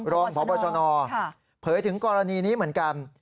รองพบชนเผยถึงกรณีนี้เหมือนกัน